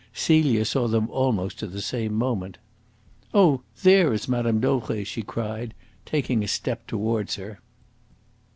Celia saw them almost at the same moment. "Oh, there is Mme. Dauvray," she cried, taking a step towards her.